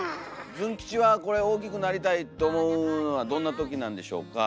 ズン吉は大きくなりたいと思うのはどんなときなんでしょうか？